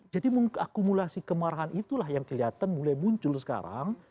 jadi akumulasi kemarahan itulah yang kelihatan mulai muncul sekarang